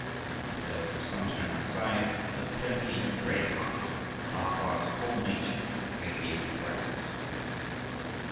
If there was no sunshine outside there was plenty in his brave heart, and A Hoa's whole nature radiated brightness.